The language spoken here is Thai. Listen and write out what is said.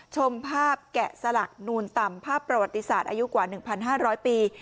ชมภาพแกะสลักนูนต่ำภาพประวัติศาสตร์อายุกว่าหนึ่งพันห้าร้อยปี